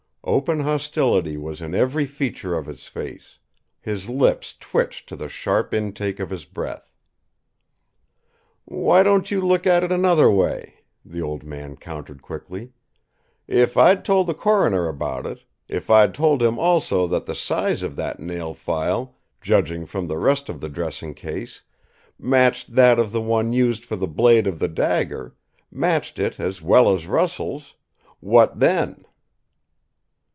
Open hostility was in every feature of his face; his lips twitched to the sharp intake of his breath. "Why don't you look at it another way?" the old man countered quickly. "If I'd told the coroner about it if I'd told him also that the size of that nail file, judging from the rest of the dressing case, matched that of the one used for the blade of the dagger, matched it as well as Russell's what then?"